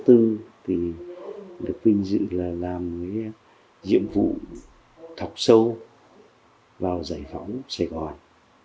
thì được vinh dự là làm những diệm vụ thọc sâu vào giải phóng sài gòn